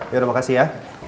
ya udah makasih ya